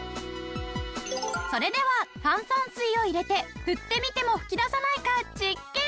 それでは炭酸水を入れて振ってみても吹き出さないか実験！